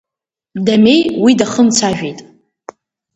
Дамеи уи дахымцәажәеит.